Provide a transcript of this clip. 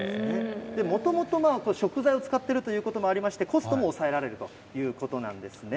もともと、食材を使っているということもありまして、コストも抑えられるということなんですね。